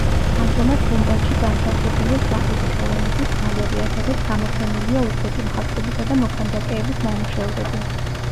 ამჟამად გუმბათში განთავსებულია სახვითი ხელოვნების გალერეა, სადაც გამოფენილია უზბეკი მხატვრებისა და მოქანდაკეების ნამუშევრები.